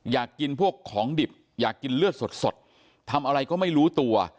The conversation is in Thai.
อยากกินพวกของดิบอยากกินเลือดสดทำอะไรก็ไม่รู้ตัว